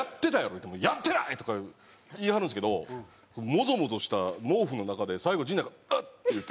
言うても「やってない！」とか言い張るんですけどもぞもぞした毛布の中で最後陣内がウッて言うて。